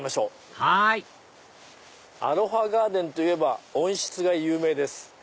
はいアロハガーデンといえば温室が有名です。